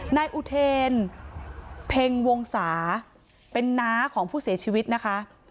นายอุเทนเพ็งวงศาเป็นน้าของผู้เสียชีวิตนะคะ